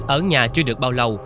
ở nhà chưa được bao lâu